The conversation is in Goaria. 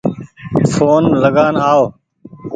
ڦون لگآن آئو